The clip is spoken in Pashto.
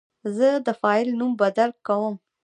زه د فایل نوم بدل کوم.